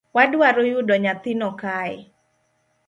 Wadwaro yudo nyathino kae